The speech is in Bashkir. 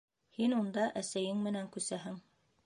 Һин унда әсәйең менән күсәһең.